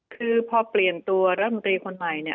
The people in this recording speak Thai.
คือพอเปลี่ยนตัวรัฐมนตรีคนใหม่เนี่ย